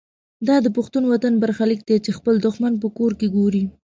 دا د پښتون وطن برخلیک دی چې خپل دښمن په کور کې ګوري.